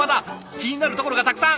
気になるところがたくさん。